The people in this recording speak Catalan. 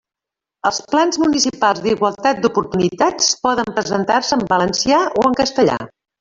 Els plans municipals d'igualtat d'oportunitats poden presentar-se en valencià o en castellà.